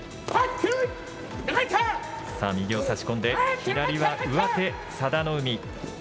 さあ、右を差し込んで、左は上手、佐田の海。